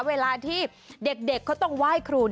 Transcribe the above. เวลาที่เด็กเขาต้องไหว้ครู